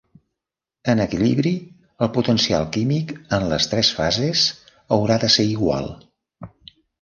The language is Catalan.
En equilibri el potencial químic en les tres fases haurà de ser igual.